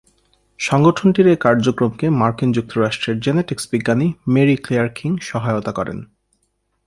সংগঠনটির এ কার্যক্রমকে মার্কিন যুক্তরাষ্ট্রের জেনেটিক্স বিজ্ঞানী মেরি-ক্লেয়ার কিং সহায়তা করেন।